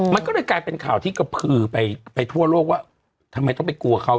มันก็เลยกลายเป็นข่าวที่กระพือไปไปทั่วโลกว่าทำไมต้องไปกลัวเขา